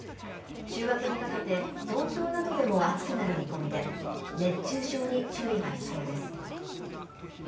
週明けにかけて、東京などでも暑くなる見込みで、熱中症に注意が必要です。